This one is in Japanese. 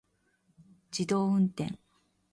自動運転